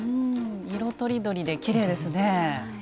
色とりどりできれいですね。